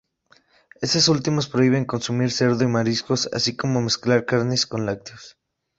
Estas últimas prohíben consumir cerdo y mariscos, así como mezclar carnes con lácteos.